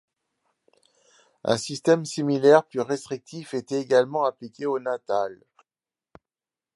Un système similaire plus restrictif était également appliqué au Natal.